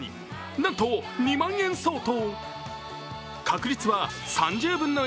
なんと２万円相当。